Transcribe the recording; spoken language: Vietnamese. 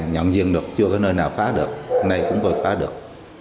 nhận diện được chưa có nơi nào phá được hôm nay cũng vừa phá được